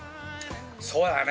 そうだね。